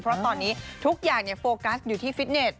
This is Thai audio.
เพราะตอนนี้ทุกอย่างโฟกัสอยู่ที่ฟิตเน็ต